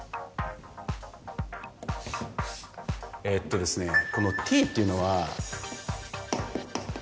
えっとこのＴっていうのは。